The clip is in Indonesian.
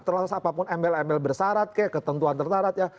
terlepas apapun ml ml bersarat kayak ketentuan tertarat ya